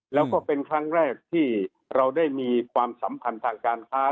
แล้วก็เป็นครั้งแรกที่เราได้มีความสัมพันธ์ทางการค้า